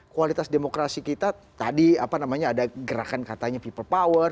kualitas demokrasi kita tadi ada gerakan katanya people power